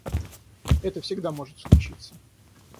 Это всегда может случиться.